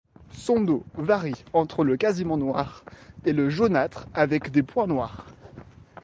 Son dos varie entre le quasiment noir et le jaunâtre avec des points noirs.